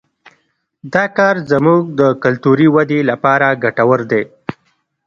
دا کار زموږ د کلتوري ودې لپاره ګټور دی